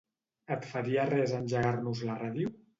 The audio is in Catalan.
Et faria res engegar-nos la ràdio?